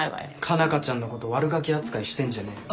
佳奈花ちゃんのことワルガキ扱いしてんじゃねえよ。